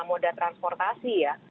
moda transportasi ya